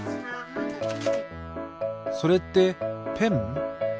それってペン？